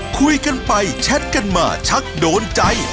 คุยกันไปแชทกันมาชักโดนใจ